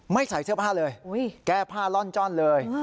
ใส่เสื้อผ้าเลยแก้ผ้าล่อนจ้อนเลย